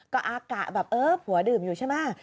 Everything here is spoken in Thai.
ก็อากะแบบเออผัวดื่มอยู่ใช่ไหม